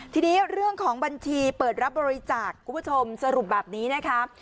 ทีนี้เรื่องของบัญชีเปิดรับบริจาคคุณผู้ชมสรุปแบบนี้นะคะ